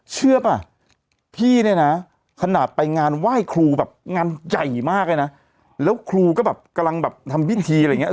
เชื่อป่ะพี่เนี่ยนะขนาดไปงานไหว้ครูแบบงานใหญ่มากเลยนะแล้วครูก็แบบกำลังแบบทำพิธีอะไรอย่างเงี้